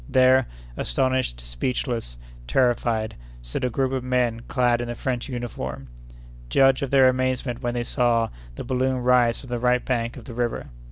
There, astonished, speechless, terrified, stood a group of men clad in the French uniform. Judge of their amazement when they saw the balloon rise from the right bank of the river.